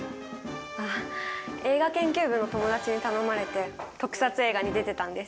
あ映画研究部の友達に頼まれて特撮映画に出てたんです。